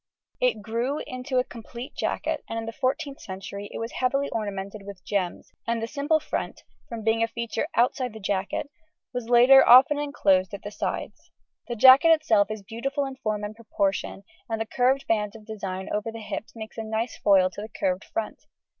It grew into a complete jacket, and in the 14th century it was heavily ornamented with gems; and the simple front, from being a feature outside the jacket, was later often enclosed at the sides. The jacket itself is beautiful in form and proportion, and the curved band of design over the hips makes a nice foil to the curved front.